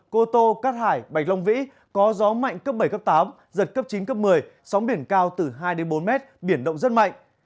cô tô cát hải bạch long vĩ có gió mạnh cấp bảy cấp tám giật cấp chín cấp một mươi sóng biển cao từ hai bốn mét biển động rất mạnh